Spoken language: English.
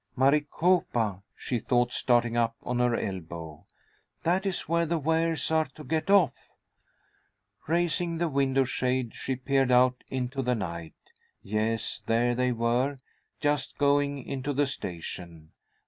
"Maricopa," she thought, starting up on her elbow. "That is where the Wares are to get off." Raising the window shade, she peered out into the night. Yes, there they were, just going into the station.